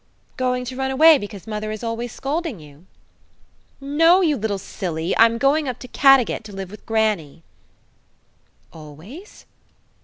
"Going to run away becauses mother is always scolding you?" "No, you little silly! I'm going up to Caddagat to live with grannie." "Always?"